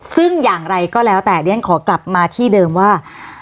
ซึ่งอย่างไรก็แล้วแต่เรียนขอกลับมาที่เดิมว่า